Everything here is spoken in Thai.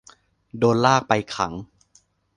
โดนลากไปขัง